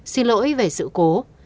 xin lỗi về sự cố